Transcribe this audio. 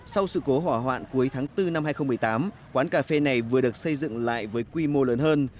sau sự cố hỏa hoạn cuối tháng bốn năm hai nghìn một mươi tám quán cà phê này vừa được xây dựng lại với quy mô lớn hơn